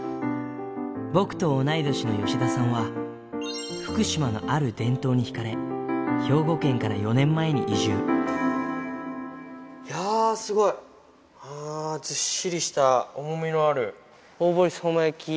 僕と同い年の吉田さんは、福島のある伝統に引かれ、兵庫県から４いやー、すごい。ずっしりした重みのある、大堀相馬焼。